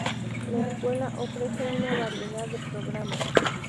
La escuela ofrece una variedad de programas.